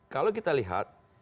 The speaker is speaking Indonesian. kalau kita lihat